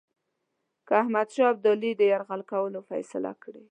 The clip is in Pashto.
که احمدشاه ابدالي د یرغل کولو فیصله کړې.